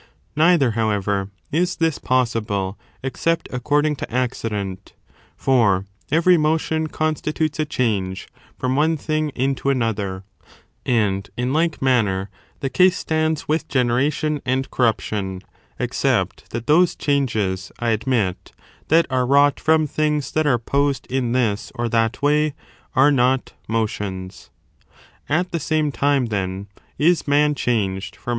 Neither, however, is this possible, except according to accident ; for every motion constitutes a change from one thing into another : and, in like manner, the case stands with generation and corruption, except that those changes, I admit, that are wrought frt>m things that are opposed in this or that way are not motions. 8. Thii point At the same time, then, is man changed from lUustrated.